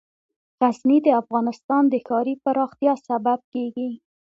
غزني د افغانستان د ښاري پراختیا سبب کېږي.